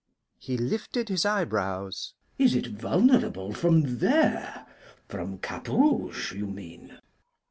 He lifted his eyebrows. "Is it vulnerable from there? From Cap Rouge, you mean?"